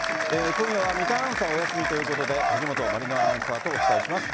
今夜は三田アナウンサーがお休みということで藤本万梨乃アナウンサーとお伝えします。